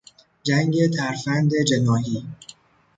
جنگ ترفند جناحی